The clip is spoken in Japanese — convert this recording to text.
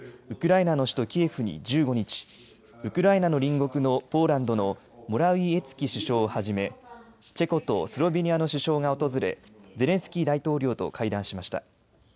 ウクライナの首都キエフに１５日、ウクライナの隣国のポーランドのモラウィエツキ首相をはじめチェコとスロベニアの首相が訪れゼレンスキー大統領と会談しました。